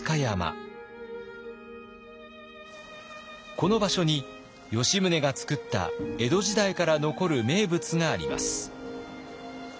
この場所に吉宗が作った江戸時代から残る名物があります。